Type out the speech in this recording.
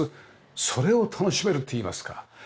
それを楽しめるっていいますか。